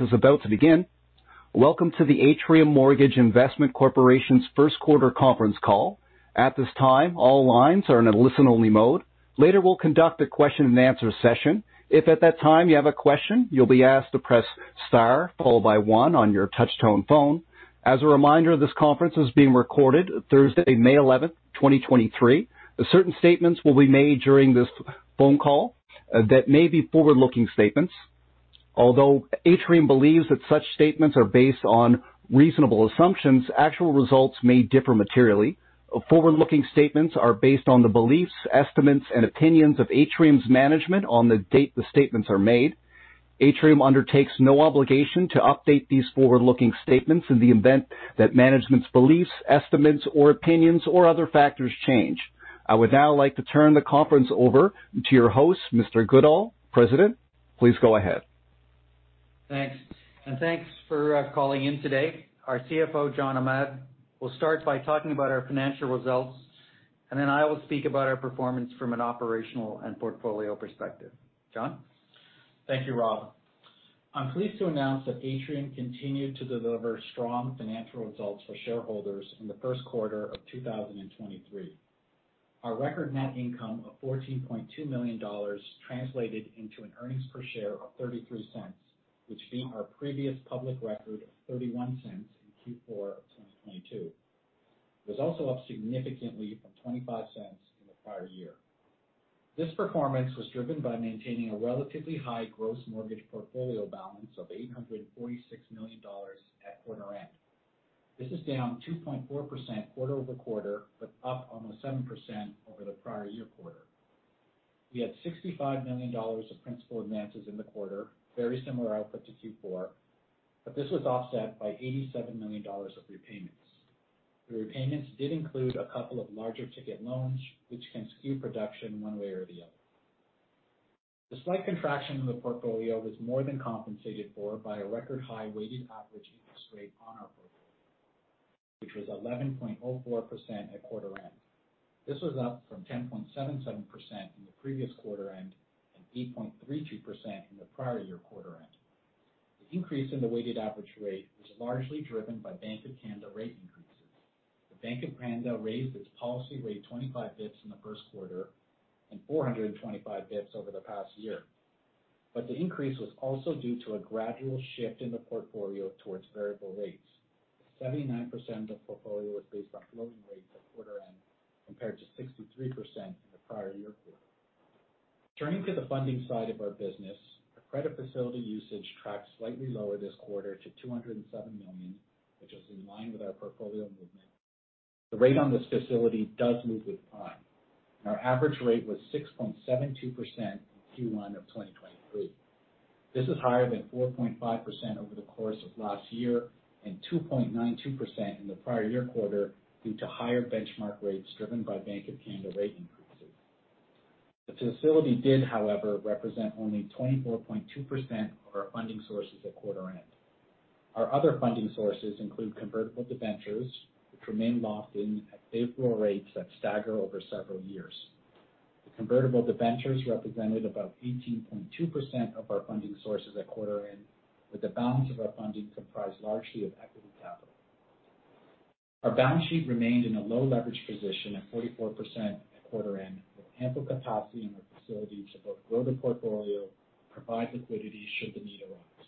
Is about to begin. Welcome to the Atrium Mortgage Investment Corporation's Q1 conference call. At this time, all lines are in a listen-only mode. Later, we'll conduct a question-and-answer session. If at that time you have a question, you'll be asked to press star followed by one on your touch-tone phone. As a reminder, this conference is being recorded Thursday, May eleventh, 2023. Certain statements will be made during this phone call that may be forward-looking statements. Although Atrium believes that such statements are based on reasonable assumptions, actual results may differ materially. Forward-looking statements are based on the beliefs, estimates, and opinions of Atrium's management on the date the statements are made. Atrium undertakes no obligation to update these forward-looking statements in the event that management's beliefs, estimates or opinions or other factors change. I would now like to turn the conference over to your host, Mr. Goodall, President. Please go ahead. Thanks, thanks for calling in today. Our CFO, John Drake, will start by talking about our financial results, and then I will speak about our performance from an operational and portfolio perspective. John? Thank you, Rob. I'm pleased to announce that Atrium continued to deliver strong financial results for shareholders in the Q1 of 2023. Our record net income of $14.2 million translated into an earnings per share of $0.33, which beat our previous public record of $0.31 in Q4 of 2022. It was also up significantly from $0.25 in the prior year. This performance was driven by maintaining a relatively high gross mortgage portfolio balance of $846 million at quarter end. This is down 2.4% quarter-over-quarter, but up almost 7% over the prior year quarter. We had $65 million of principal advances in the quarter, very similar output to Q4, but this was offset by $87 million of repayments. The repayments did include a couple of larger ticket loans, which can skew production one way or the other. The slight contraction in the portfolio was more than compensated for by a record high weighted average interest rate on our portfolio, which was 11.04% at quarter end. This was up from 10.77% in the previous quarter end and 8.32% in the prior year quarter end. The increase in the weighted average rate was largely driven by Bank of Canada rate increases. The Bank of Canada raised its policy rate 25 bips in the Q1 and 425 bips over the past year. The increase was also due to a gradual shift in the portfolio towards variable rates. 79% of the portfolio was based on floating rates at quarter end, compared to 63% in the prior year quarter. Turning to the funding side of our business, our credit facility usage tracked slightly lower this quarter to 207 million, which was in line with our portfolio movement. The rate on this facility does move with time, and our average rate was 6.72% in Q1 of 2023. This is higher than 4.5% over the course of last year and 2.92% in the prior year quarter due to higher benchmark rates driven by Bank of Canada rate increases. The facility did, however, represent only 24.2% of our funding sources at quarter end. Our other funding sources include convertible debentures, which remain locked in at favorable rates that stagger over several years. The convertible debentures represented about 18.2% of our funding sources at quarter end, with the balance of our funding comprised largely of equity capital. Our balance sheet remained in a low leverage position at 44% at quarter end, with ample capacity in our facility to both grow the portfolio and provide liquidity should the need arise.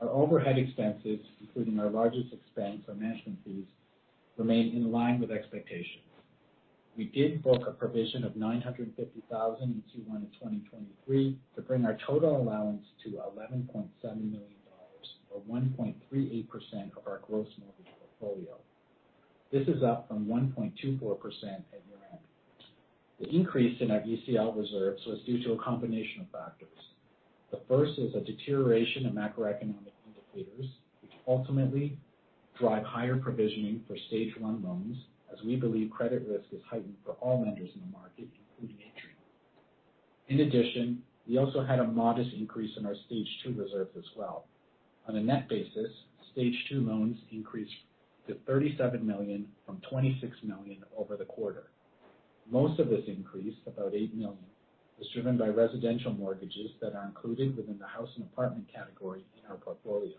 Our overhead expenses, including our largest expense on management fees, remain in line with expectations. We did book a provision of 950,000 in Q1 of 2023 to bring our total allowance to 11.7 million dollars, or 1.38% of our gross mortgage portfolio. This is up from 1.24% at year end. The increase in our UCL reserves was due to a combination of factors. The first is a deterioration in macroeconomic indicators which ultimately drive higher provisioning for Stage one loans as we believe credit risk is heightened for all lenders in the market, including Atrium. In addition, we also had a modest increase in our Stage two reserves as well. On a net basis, Stage two loans increased to 37 million from 26 million over the quarter. Most of this increase, about 8 million, was driven by residential mortgages that are included within the house and apartment category in our portfolio.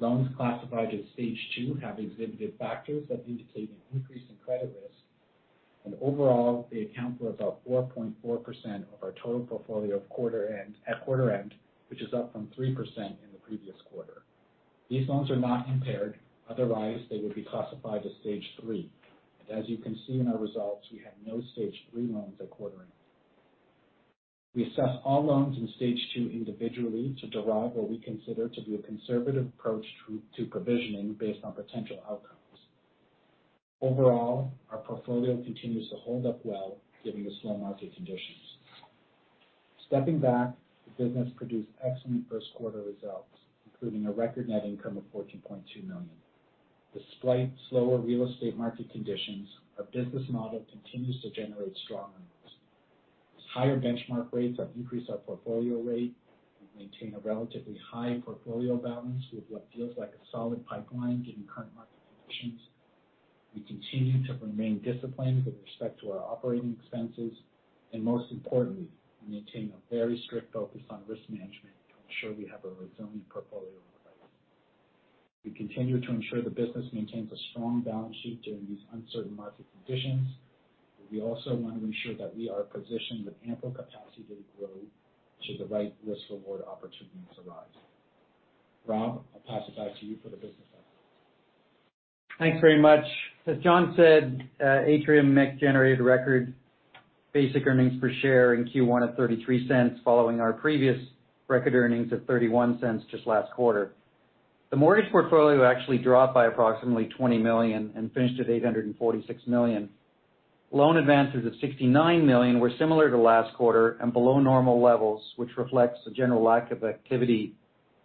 Loans classified as Stage two have exhibited factors that indicate an increase in credit risk, and overall, they account for about 4.4% of our total portfolio at quarter end, which is up from 3% in the previous quarter. These loans are not impaired. Otherwise, they would be classified as Stage three. As you can see in our results, we have no Stage 3 loans at quarter end. We assess all loans in Stage two individually to derive what we consider to be a conservative approach to provisioning based on potential outcomes. Overall, our portfolio continues to hold up well given the slow market conditions. Stepping back, the business produced excellent Q1 results, including a record net income of 14.2 million. Despite slower real estate market conditions, our business model continues to generate strong earnings. As higher benchmark rates have increased our portfolio rate, we maintain a relatively high portfolio balance with what feels like a solid pipeline given current market conditions. We continue to remain disciplined with respect to our operating expenses, and most importantly, we maintain a very strict focus on risk management to ensure we have a resilient portfolio. We continue to ensure the business maintains a strong balance sheet during these uncertain market conditions. We also want to ensure that we are positioned with ample capacity to grow should the right risk reward opportunities arise. Rob, I'll pass it back to you for the business update. Thanks very much. As John said, Atrium MIC generated record basic earnings per share in Q1 at 0.33, following our previous record earnings of 0.31 just last quarter. The mortgage portfolio actually dropped by approximately 20 million and finished at 846 million. Loan advances of 69 million were similar to last quarter and below normal levels, which reflects the general lack of activity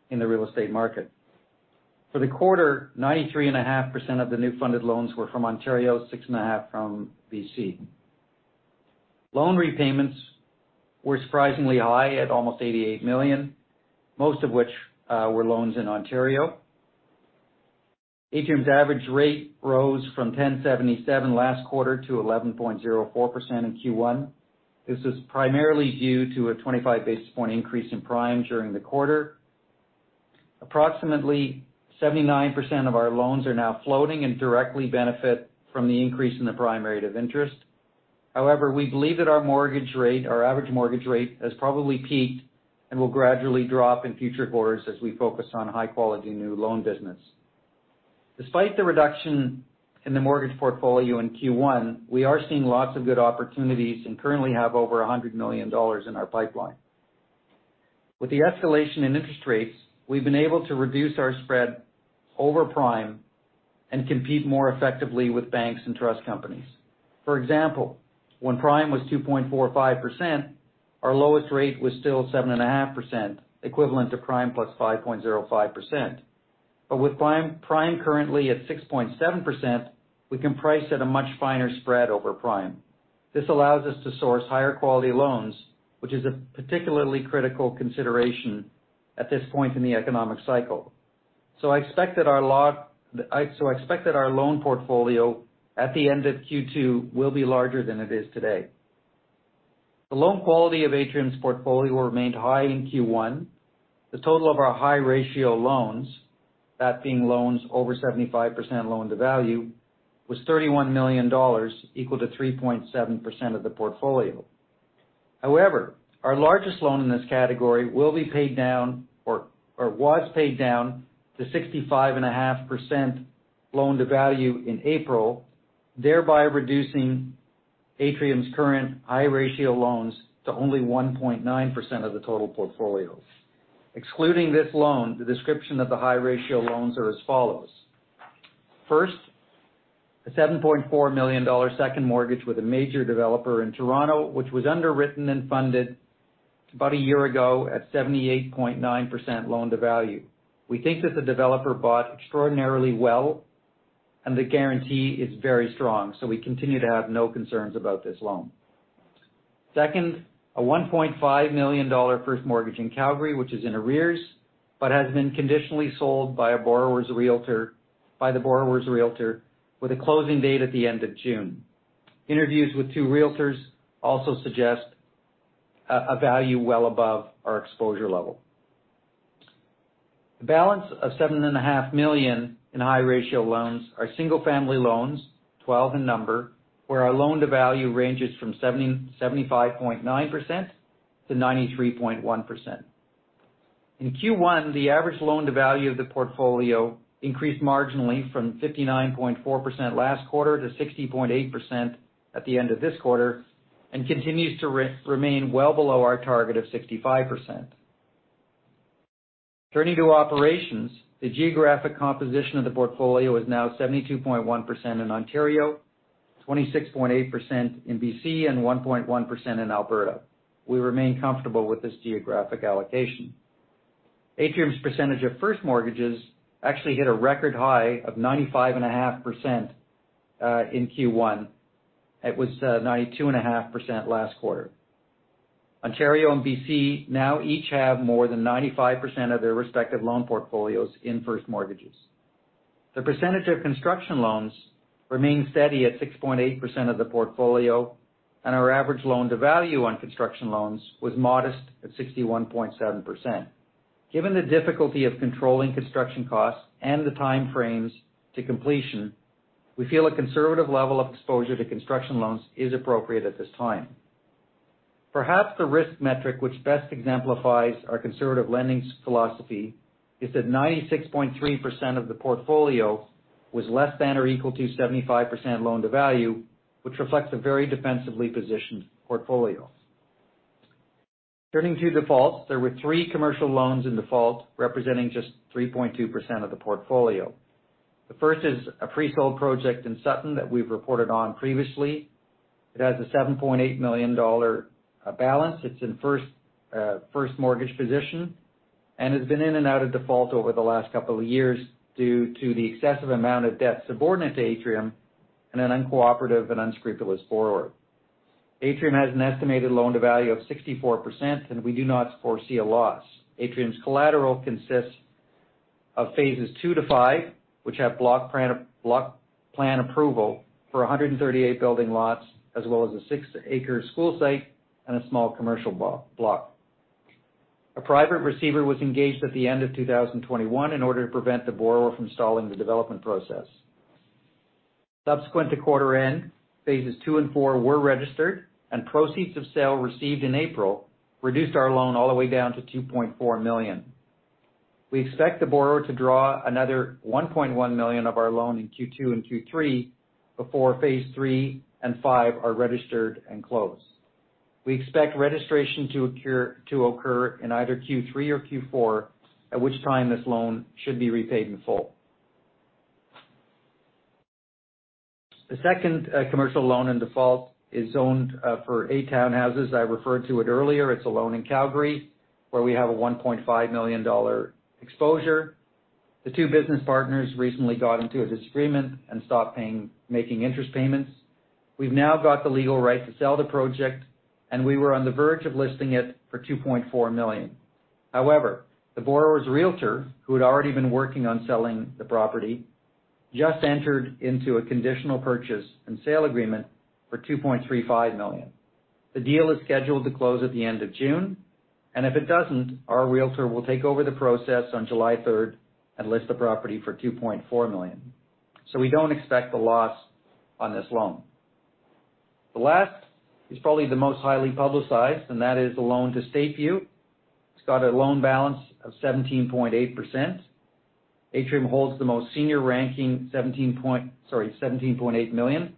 in the real estate market. For the quarter, 93.5% of the new funded loans were from Ontario, 6.5% from BC. Loan repayments were surprisingly high at almost 88 million, most of which were loans in Ontario. Atrium's average rate rose from 10.77% last quarter to 11.04% in Q1. This is primarily due to a 25 basis point increase in prime during the quarter. Approximately 79% of our loans are now floating and directly benefit from the increase in the prime rate. We believe that our mortgage rate, our average mortgage rate has probably peaked and will gradually drop in future quarters as we focus on high quality new loan business. Despite the reduction in the mortgage portfolio in Q1, we are seeing lots of good opportunities and currently have over 100 million dollars in our pipeline. With the escalation in interest rates, we've been able to reduce our spread over prime and compete more effectively with banks and trust companies. For example, when prime was 2.45%, our lowest rate was still 7.5%, equivalent to prime + 5.05%. With prime currently at 6.7%, we can price at a much finer spread over prime. This allows us to source higher quality loans, which is a particularly critical consideration at this point in the economic cycle. I expect that our loan portfolio at the end of Q2 will be larger than it is today. The loan quality of Atrium's portfolio remained high in Q1. The total of our high ratio loans, that being loans over 75% loan-to-value, was 31 million dollars, equal to 3.7% of the portfolio. Our largest loan in this category will be paid down or was paid down to 65.5% loan-to-value in April, thereby reducing Atrium's current high ratio loans to only 1.9% of the total portfolio. Excluding this loan, the description of the high ratio loans are as follows. First, a 7.4 million dollar second mortgage with a major developer in Toronto, which was underwritten and funded about a year ago at 78.9% loan-to-value. We think that the developer bought extraordinarily well and the guarantee is very strong, we continue to have no concerns about this loan. Second, a 1.5 million dollar first mortgage in Calgary, which is in arrears, has been conditionally sold by the borrower's realtor with a closing date at the end of June. Interviews with two realtors also suggest a value well above our exposure level. The balance of seven and a half million in high ratio loans are single-family loans, 12 in number, where our loan-to-value ranges from 75.9%-93.1%. In Q1, the average loan-to-value of the portfolio increased marginally from 59.4% last quarter to 60.8% at the end of this quarter, and continues to remain well below our target of 65%. Turning to operations, the geographic composition of the portfolio is now 72.1% in Ontario, 26.8% in BC, and 1.1% in Alberta. We remain comfortable with this geographic allocation. Atrium's percentage of first mortgages actually hit a record high of 95.5% in Q1. It was 92.5% last quarter. Ontario and BC now each have more than 95% of their respective loan portfolios in first mortgages. The percentage of construction loans remain steady at 6.8% of the portfolio, and our average loan-to-value on construction loans was modest at 61.7%. Given the difficulty of controlling construction costs and the time frames to completion, we feel a conservative level of exposure to construction loans is appropriate at this time. Perhaps the risk metric which best exemplifies our conservative lending philosophy is that 96.3% of the portfolio was less than or equal to 75% loan-to-value, which reflects a very defensively positioned portfolio. Turning to defaults, there were three commercial loans in default, representing just 3.2% of the portfolio. The first is a pre-sold project in Sutton that we've reported on previously. It has a $7.8 million balance. It's in first mortgage position and has been in and out of default over the last couple of years due to the excessive amount of debt subordinate to Atrium and an uncooperative and unscrupulous borrower. Atrium has an estimated loan-to-value of 64%, and we do not foresee a loss. Atrium's collateral consists of phases 2-5, which have block plan approval for 138 building lots, as well as a 6-acre school site and a small commercial block. A private receiver was engaged at the end of 2021 in order to prevent the borrower from stalling the development process. Subsequent to quarter end, phases two and four were registered, and proceeds of sale received in April reduced our loan all the way down to 2.4 million. We expect the borrower to draw another 1.1 million of our loan in Q2 and Q3 before phase three and five are registered and closed. We expect registration to occur in either Q3 or Q4, at which time this loan should be repaid in full. The second commercial loan in default is owned for eight townhouses. I referred to it earlier. It's a loan in Calgary, where we have a 1.5 million dollar exposure. The two business partners recently got into a disagreement and stopped making interest payments. We've now got the legal right to sell the project, and we were on the verge of listing it for 2.4 million. The borrower's realtor, who had already been working on selling the property, just entered into a conditional purchase and sale agreement for 2.35 million. The deal is scheduled to close at the end of June. If it doesn't, our realtor will take over the process on July third and list the property for 2.4 million. We don't expect a loss on this loan. The last is probably the most highly publicized, and that is the loan to Stateview. It's got a loan balance of 17.8%. Atrium holds the most senior ranking Sorry, 17.8 million.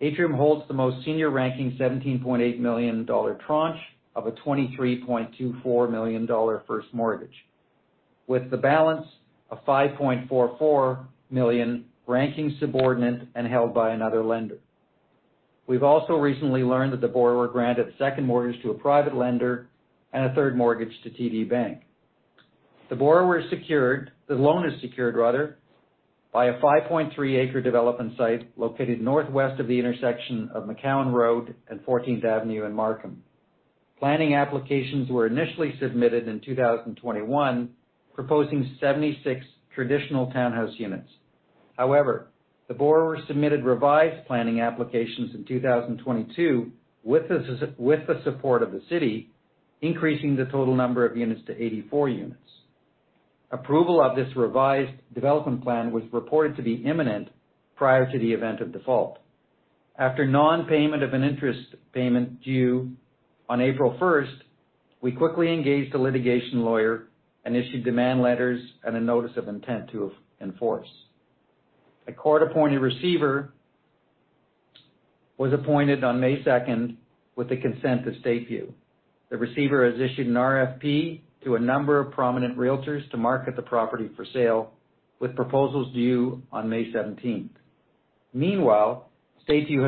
Atrium holds the most senior ranking 17.8 million dollar tranche of a 23.24 million dollar first mortgage. With the balance of 5.44 million ranking subordinate and held by another lender. We've also recently learned that the borrower granted second mortgage to a private lender and a third mortgage to TD Bank. The loan is secured, rather, by a 5.3 acre development site located northwest of the intersection of McCowan Road and Fourteenth Avenue in Markham. Planning applications were initially submitted in 2021, proposing 76 traditional townhouse units. The borrower submitted revised planning applications in 2022 with the support of the city, increasing the total number of units to 84 units. Approval of this revised development plan was reported to be imminent prior to the event of default. After non-payment of an interest payment due on April 1st, we quickly engaged a litigation lawyer and issued demand letters and a notice of intent to enforce. A court-appointed receiver was appointed on May second with the consent of Stateview. The receiver has issued an RFP to a number of prominent realtors to market the property for sale, with proposals due on May 17th. Meanwhile, Stateview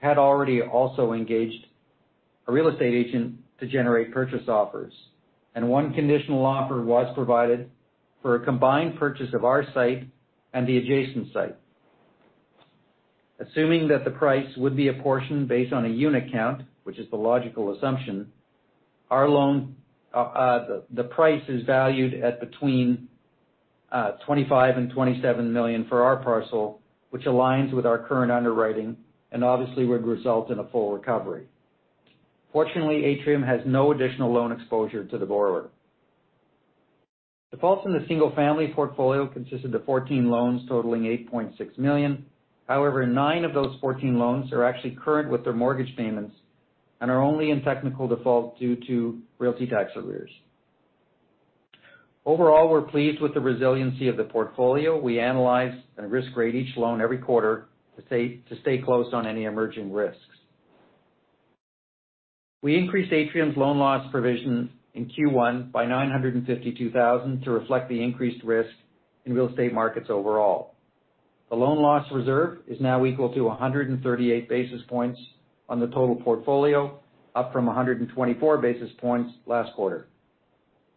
had already also engaged a real estate agent to generate purchase offers, and one conditional offer was provided for a combined purchase of our site and the adjacent site. Assuming that the price would be a portion based on a unit count, which is the logical assumption, our loan, the price is valued at between 25 million and 27 million for our parcel, which aligns with our current underwriting and obviously would result in a full recovery. Fortunately, Atrium has no additional loan exposure to the borrower. Defaults in the single-family portfolio consisted of 14 loans totaling 8.6 million. nine of those 14 loans are actually current with their mortgage payments and are only in technical default due to realty tax arrears. Overall, we're pleased with the resiliency of the portfolio. We analyze and risk rate each loan every quarter to stay close on any emerging risks. We increased Atrium's loan loss provisions in Q1 by 952,000 to reflect the increased risk in real estate markets overall. The loan loss reserve is now equal to 138 basis points on the total portfolio, up from 124 basis points last quarter.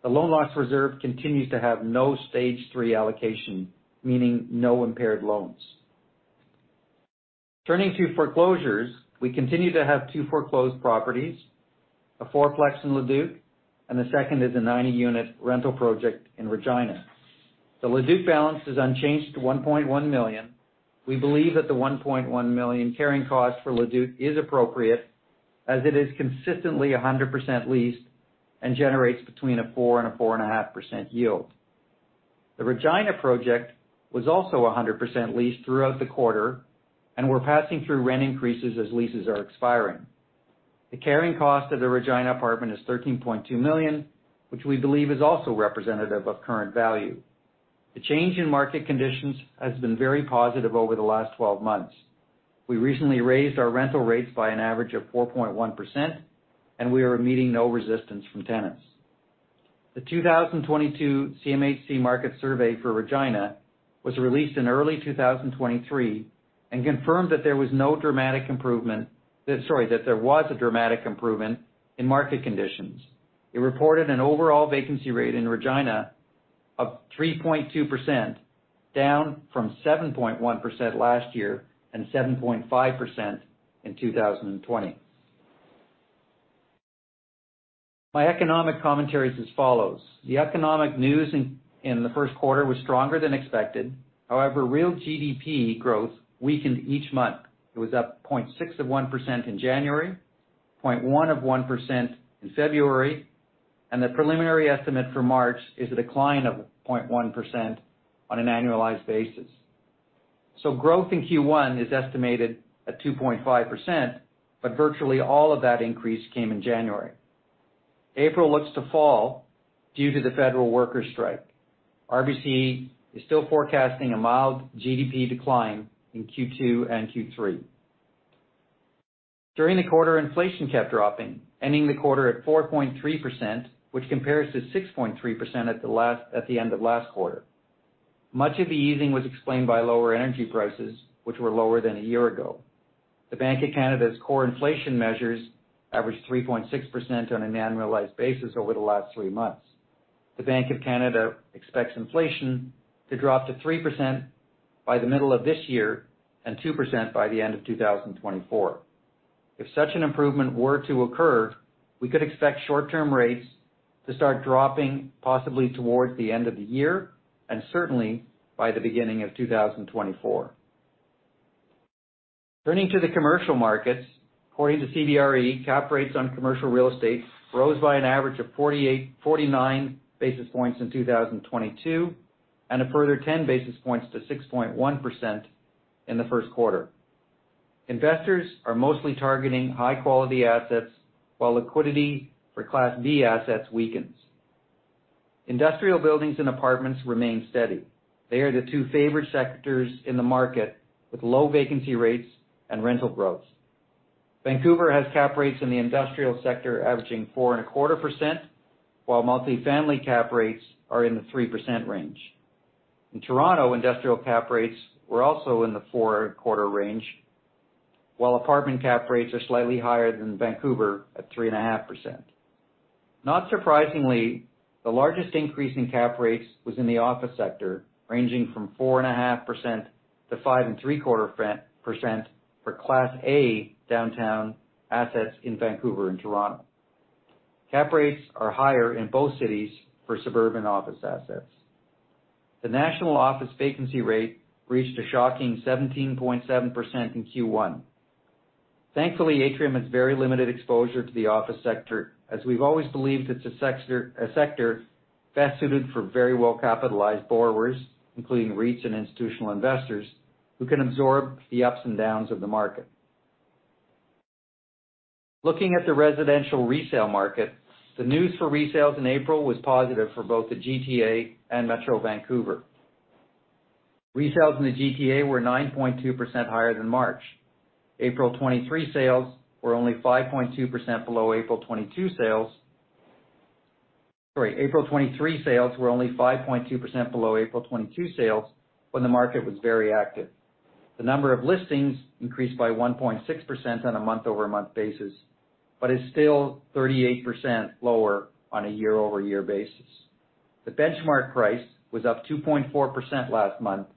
The loan loss reserve continues to have no Stage three allocation, meaning no impaired loans. Turning to foreclosures, we continue to have two foreclosed properties, a four-plex in Leduc, and the second is a 90-unit rental project in Regina. The Leduc balance is unchanged at 1.1 million. We believe that the 1.1 million carrying cost for Leduc is appropriate as it is consistently 100% leased and generates between a 4% and a 4.5% yield. The Regina project was also 100% leased throughout the quarter and we're passing through rent increases as leases are expiring. The carrying cost of the Regina apartment is 13.2 million, which we believe is also representative of current value. The change in market conditions has been very positive over the last 12 months. We recently raised our rental rates by an average of 4.1%, and we are meeting no resistance from tenants. The 2022 CMHC market survey for Regina was released in early 2023 and confirmed that there was no dramatic improvement... Sorry, that there was a dramatic improvement in market conditions. It reported an overall vacancy rate in Regina of 3.2%, down from 7.1% last year and 7.5% in 2020. My economic commentary is as follows: The economic news in the Q1 was stronger than expected. However, real GDP growth weakened each month. It was up 0.6% in January, 0.1% in February, and the preliminary estimate for March is a decline of 0.1% on an annualized basis. Growth in Q1 is estimated at 2.5%, but virtually all of that increase came in January. April looks to fall due to the federal worker strike. RBC is still forecasting a mild GDP decline in Q2 and Q3. During the quarter, inflation kept dropping, ending the quarter at 4.3%, which compares to 6.3% at the end of last quarter. Much of the easing was explained by lower energy prices, which were lower than a year ago. The Bank of Canada's core inflation measures averaged 3.6% on an annualized basis over the last three months. The Bank of Canada expects inflation to drop to 3% by the middle of this year and 2% by the end of 2024. If such an improvement were to occur, we could expect short-term rates to start dropping possibly towards the end of the year, and certainly by the beginning of 2024. Turning to the commercial markets, according to CBRE, cap rates on commercial real estate rose by an average of 49 basis points in 2022, and a further 10 basis points to 6.1% in the Q1. Investors are mostly targeting high-quality assets while liquidity for Class D assets weakens. Industrial buildings and apartments remain steady. They are the two favorite sectors in the market, with low vacancy rates and rental growth. Vancouver has cap rates in the industrial sector averaging 4.25%, while multifamily cap rates are in the 3% range. In Toronto, industrial cap rates were also in the 4.25% range, while apartment cap rates are slightly higher than Vancouver at 3.5%. Not surprisingly, the largest increase in cap rates was in the office sector, ranging from 4.5%-5.75% for Class A downtown assets in Vancouver and Toronto. Cap rates are higher in both cities for suburban office assets. The national office vacancy rate reached a shocking 17.7% in Q1. Thankfully, Atrium has very limited exposure to the office sector, as we've always believed it's a sector best suited for very well-capitalized borrowers, including REITs and institutional investors, who can absorb the ups and downs of the market. Looking at the residential resale market, the news for resales in April was positive for both the GTA and Metro Vancouver. Resales in the GTA were 9.2% higher than March. April 2023 sales were only 5.2% below April 2022 sales. Sorry, April 23 sales were only 5.2% below April 22 sales when the market was very active. The number of listings increased by 1.6% on a month-over-month basis, is still 38% lower on a year-over-year basis. The benchmark price was up 2.4% last month.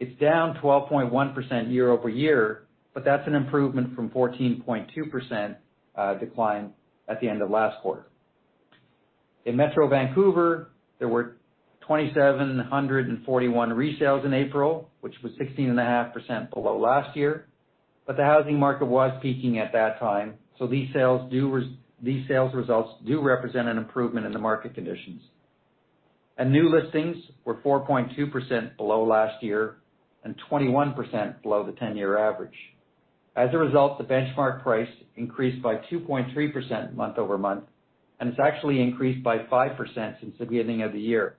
It's down 12.1% year-over-year, That's an improvement from 14.2% decline at the end of last quarter. In Metro Vancouver, there were 2,741 resales in April, which was 16.5% below last year. The housing market was peaking at that time, These sales results do represent an improvement in the market conditions. New listings were 4.2% below last year and 21% below the 10-year average. As a result, the benchmark price increased by 2.3% month-over-month, and it's actually increased by 5% since the beginning of the year.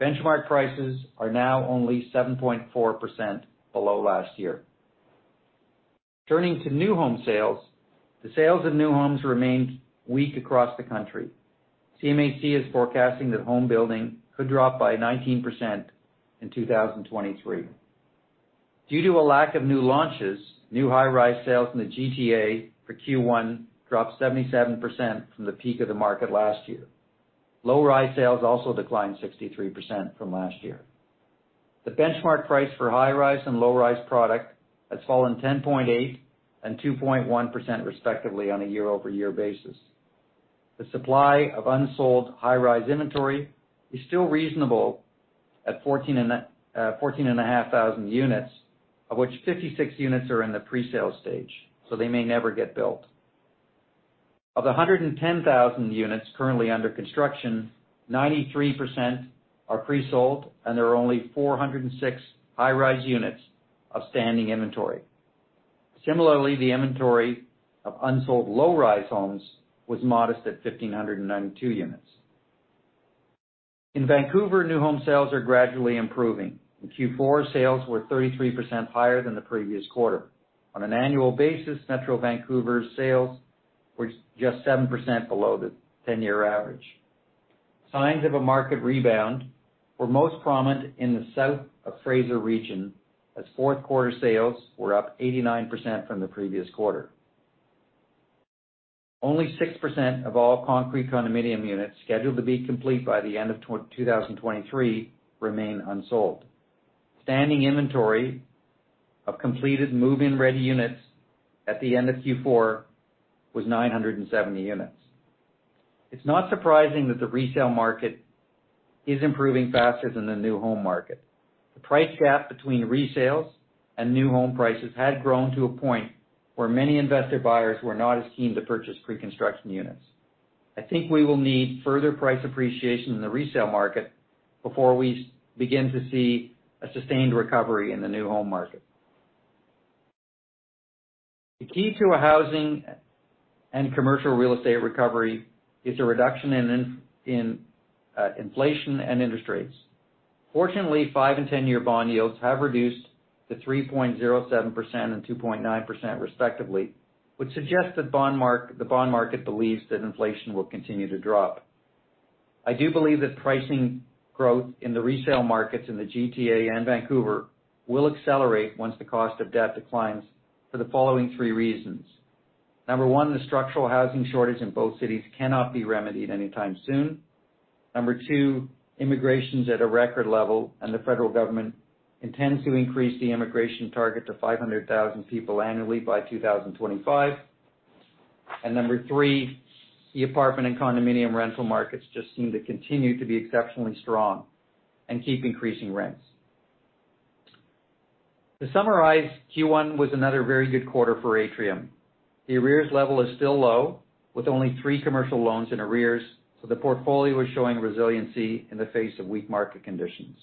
Benchmark prices are now only 7.4% below last year. Turning to new home sales, the sales of new homes remained weak across the country. CMHC is forecasting that home building could drop by 19% in 2023. Due to a lack of new launches, new high-rise sales in the GTA for Q1 dropped 77% from the peak of the market last year. Low-rise sales also declined 63% from last year. The benchmark price for high-rise and low-rise product has fallen 10.8% and 2.1% respectively on a year-over-year basis. The supply of unsold high-rise inventory is still reasonable at 14,500 units, of which 56 units are in the presale stage, so they may never get built. Of the 110,000 units currently under construction, 93% are presold and there are only 406 high-rise units of standing inventory. Similarly, the inventory of unsold low-rise homes was modest at 1,592 units. In Vancouver, new home sales are gradually improving. In Q4, sales were 33% higher than the previous quarter. On an annual basis, Metro Vancouver's sales were just 7% below the 10-year average. Signs of a market rebound were most prominent in the South of Fraser region, as Q4 sales were up 89% from the previous quarter. Only 6% of all concrete condominium units scheduled to be complete by the end of 2023 remain unsold. Standing inventory of completed move-in ready units at the end of Q4 was 970 units. It's not surprising that the resale market is improving faster than the new home market. The price gap between resales and new home prices had grown to a point where many investor buyers were not as keen to purchase pre-construction units. I think we will need further price appreciation in the resale market before we begin to see a sustained recovery in the new home market. The key to a housing and commercial real estate recovery is a reduction in inflation and interest rates. Fortunately, 5 and 10-year bond yields have reduced to 3.07% and 2.9% respectively, which suggests that the bond market believes that inflation will continue to drop. I do believe that pricing growth in the resale markets in the GTA and Vancouver will accelerate once the cost of debt declines for the following three reasons. Number one, the structural housing shortage in both cities cannot be remedied anytime soon. Number two, immigration's at a record level, the federal government intends to increase the immigration target to 500,000 people annually by 2025. Number three, the apartment and condominium rental markets just seem to continue to be exceptionally strong and keep increasing rents. To summarize, Q1 was another very good quarter for Atrium. The arrears level is still low, with only three commercial loans in arrears. The portfolio is showing resiliency in the face of weak market conditions.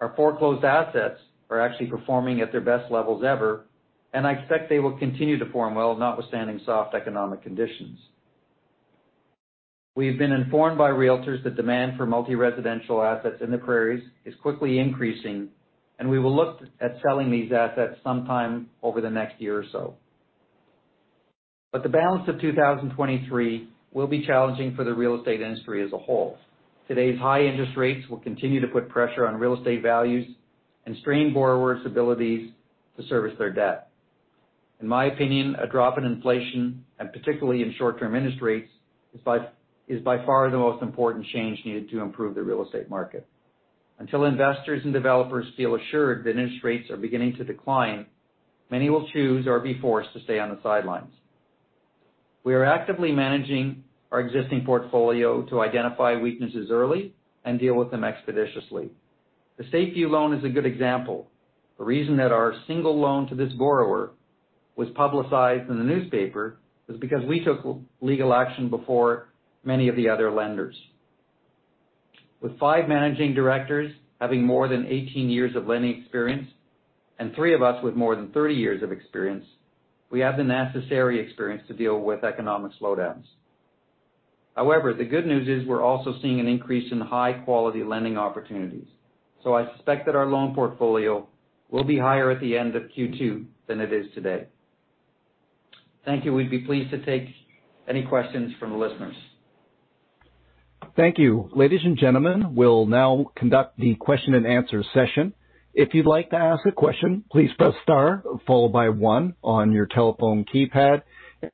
Our foreclosed assets are actually performing at their best levels ever. I expect they will continue to perform well notwithstanding soft economic conditions. We have been informed by realtors that demand for multi-residential assets in the Prairies is quickly increasing. We will look at selling these assets sometime over the next year or so. The balance of 2023 will be challenging for the real estate industry as a whole. Today's high interest rates will continue to put pressure on real estate values and strain borrowers' abilities to service their debt. In my opinion, a drop in inflation, and particularly in short-term interest rates, is by far the most important change needed to improve the real estate market. Until investors and developers feel assured that interest rates are beginning to decline, many will choose or be forced to stay on the sidelines. We are actively managing our existing portfolio to identify weaknesses early and deal with them expeditiously. The Safety Loan is a good example. The reason that our single loan to this borrower was publicized in the newspaper was because we took legal action before many of the other lenders. With five managing directors having more than 18 years of lending experience and three of us with more than 30 years of experience, we have the necessary experience to deal with economic slowdowns. The good news is we're also seeing an increase in high-quality lending opportunities. I suspect that our loan portfolio will be higher at the end of Q2 than it is today. Thank you. We'd be pleased to take any questions from the listeners. Thank you. Ladies and gentlemen, we'll now conduct the question and answer session. If you'd like to ask a question, please press star followed by one on your telephone keypad.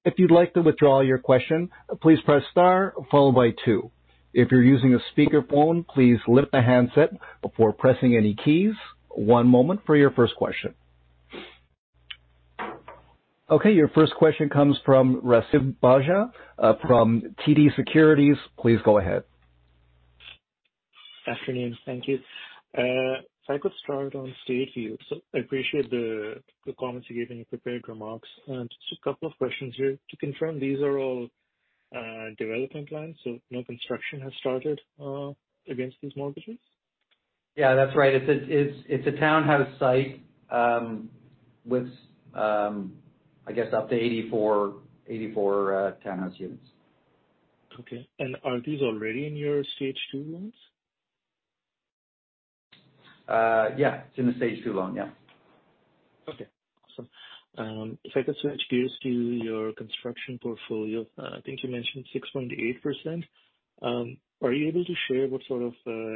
If you'd like to withdraw your question, please press star followed by two. If you're using a speakerphone, please lift the handset before pressing any keys. One moment for your first question. Okay, your first question comes from Rasika Tulasiram from TD Securities. Please go ahead. Afternoon. Thank you. If I could start on Stateview. I appreciate the comments you gave in your prepared remarks. Just a couple of questions here. To confirm, these are all development plans, so no construction has started against these mortgages? Yeah, that's right. It's a townhouse site, with I guess up to 84 townhouse units. Okay. Are these already in your Stage two loans? Yeah. It's in the Stage two loan. Yeah. Okay. Awesome. If I could switch gears to your construction portfolio. I think you mentioned 6.8%. Are you able to share what sort of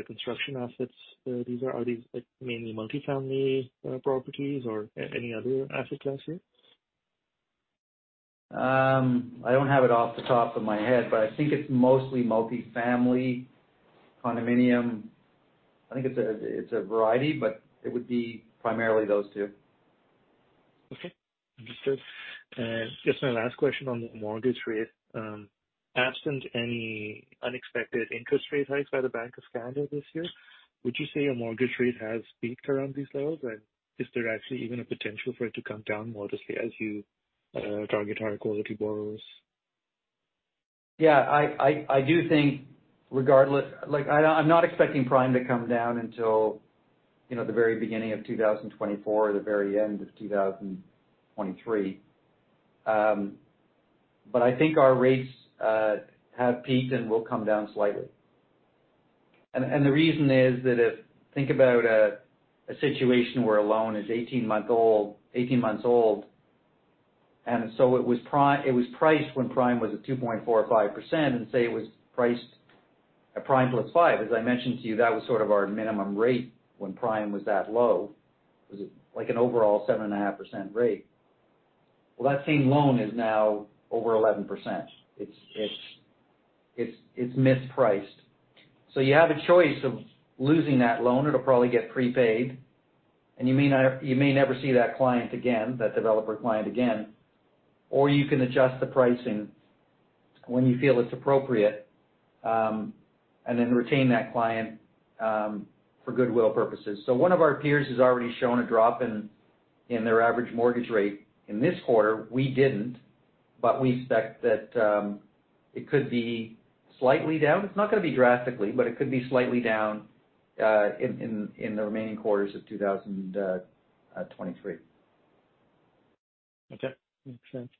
construction assets these are? Are these like mainly multi-family properties or any other asset class here? I don't have it off the top of my head, but I think it's mostly multi-family, condominium. I think it's a, it's a variety, but it would be primarily those two. Okay. Understood. Just my last question on the mortgage rate. Absent any unexpected interest rate hikes by the Bank of Canada this year, would you say your mortgage rate has peaked around these levels? Is there actually even a potential for it to come down modestly as you target higher quality borrowers? Yeah, I do think regardless... Like, I'm not expecting prime to come down until, you know, the very beginning of 2024 or the very end of 2023. I think our rates have peaked and will come down slightly. The reason is that if... Think about a situation where a loan is 18-month-old, 18 months old, it was priced when prime was at 2.4% or 5% and say it was pricedA prime +5. As I mentioned to you, that was sort of our minimum rate when prime was that low. It was like an overall 7.5% rate. Well, that same loan is now over 11%. It's mispriced. You have a choice of losing that loan. It'll probably get prepaid. You may never see that client again, that developer client again. You can adjust the pricing when you feel it's appropriate, and then retain that client for goodwill purposes. One of our peers has already shown a drop in their average mortgage rate in this quarter. We didn't, but we expect that it could be slightly down. It's not gonna be drastically, but it could be slightly down in the remaining quarters of 2023. Okay. Makes sense.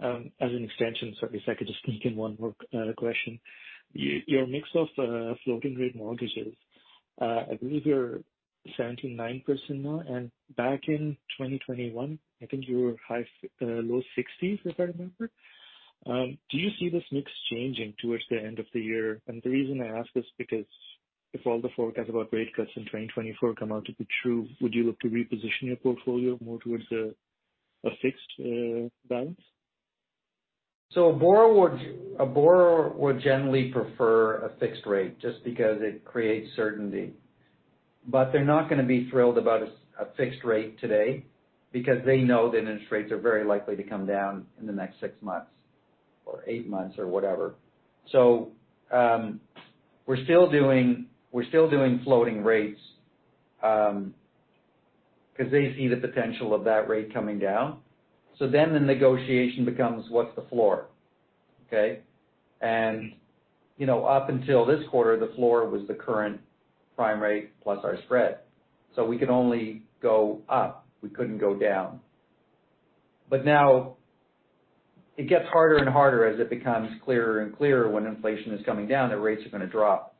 As an extension, sorry, if I could just sneak in one more question. Your mix of floating rate mortgages, I believe you're 79% now, and back in 2021, I think you were low 60s, if I remember. Do you see this mix changing towards the end of the year? The reason I ask this because if all the forecasts about rate cuts in 2024 come out to be true, would you look to reposition your portfolio more towards a fixed balance? A borrower would generally prefer a fixed rate just because it creates certainty. They're not gonna be thrilled about a fixed rate today because they know that interest rates are very likely to come down in the next six months or eight months or whatever. We're still doing floating rates, 'cause they see the potential of that rate coming down. The negotiation becomes what's the floor? Okay. You know, up until this quarter, the floor was the current prime rate plus our spread. We could only go up, we couldn't go down. Now it gets harder and harder as it becomes clearer and clearer when inflation is coming down, that rates are gonna drop.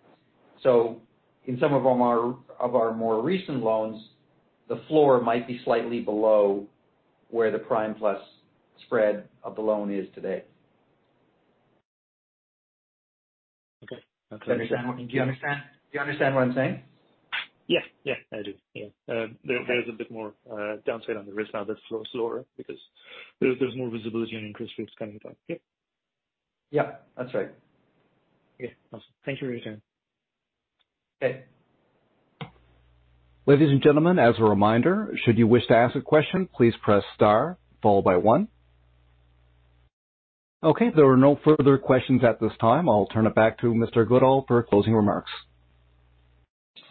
In some of our more recent loans, the floor might be slightly below where the prime plus spread of the loan is today. Okay. That's clear. Do you understand what I'm saying? Yeah. Yeah, I do. Yeah. There's a bit more downside on the risk now that it's lower because there's more visibility on interest rates coming back. Yeah. Yeah, that's right. Okay, awesome. Thank you for your time. Okay. Ladies and gentlemen, as a reminder, should you wish to ask a question, please press star followed by one. Okay, there are no further questions at this time. I'll turn it back to Mr. Goodall for closing remarks.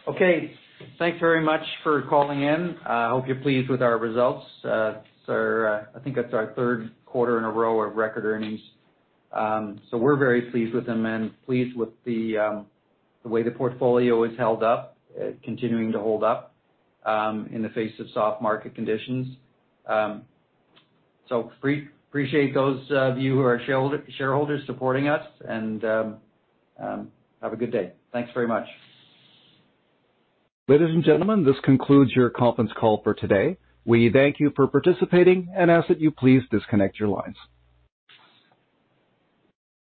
Okay. Thanks very much for calling in. I hope you're pleased with our results. It's our, I think that's our Q3 in a row of record earnings. We're very pleased with them and pleased with the way the portfolio has held up, continuing to hold up in the face of soft market conditions. Appreciate those of you who are shareholders supporting us, and have a good day. Thanks very much. Ladies and gentlemen, this concludes your conference call for today. We thank you for participating and ask that you please disconnect your lines.